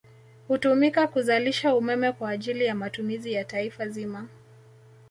Hutumika kuzalisha umeme kwa ajili ya matumizi ya Taifa zima